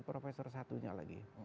profesor satunya lagi